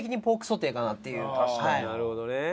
なるほどね。